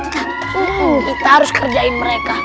kita harus kerjain mereka